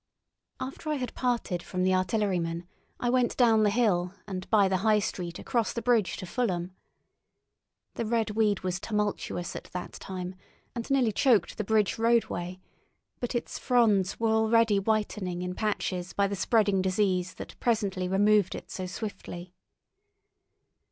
After I had parted from the artilleryman, I went down the hill, and by the High Street across the bridge to Fulham. The red weed was tumultuous at that time, and nearly choked the bridge roadway; but its fronds were already whitened in patches by the spreading disease that presently removed it so swiftly.